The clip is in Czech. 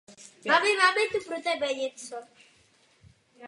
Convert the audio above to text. Na podzim se barví sytě žlutě.